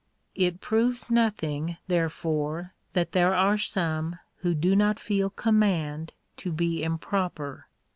It proves nothing, therefore, that there are some J who do not feel command to be improper.